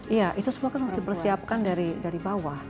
iya itu semua kan harus dipersiapkan dari bawah